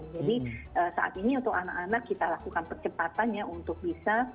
jadi saat ini untuk anak anak kita lakukan percepatannya untuk bisa